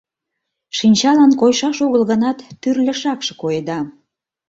Шинчалан койшаш огыл гынат, тӱрлӧ шакше коеда.